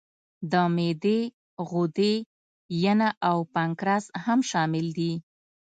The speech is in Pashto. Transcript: د معدې غدې، ینه او پانکراس هم شامل دي.